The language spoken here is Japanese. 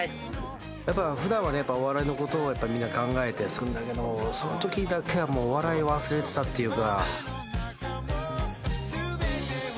やっぱ普段はお笑いのことをみんな考えてるんだけどそのときだけはもうお笑いを忘れてたっていうか。